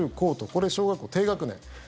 これ小学校低学年。